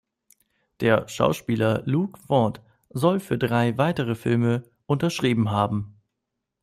Der Schauspieler Luke Ford soll für drei weitere Filme unterschrieben haben.